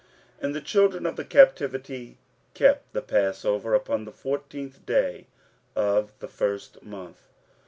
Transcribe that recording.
15:006:019 And the children of the captivity kept the passover upon the fourteenth day of the first month.